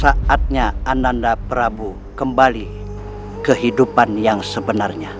saatnya ananda prabu kembali kehidupan yang sebenarnya